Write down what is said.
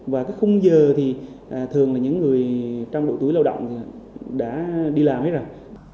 và các khung giờ thì thường là những người trong độ tuổi lao động đã đi làm hết rồi